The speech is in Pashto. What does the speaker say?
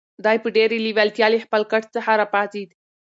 دی په ډېرې لېوالتیا له خپل کټ څخه را پاڅېد.